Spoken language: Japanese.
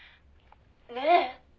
「ねえ？」